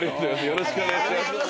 よろしくお願いします。